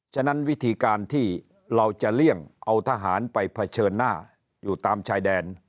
ฉะนั้นวิธีการที่เราจะเลี่ยงเอาทหารไปเผชิญหน้าอยู่ตามชายแดน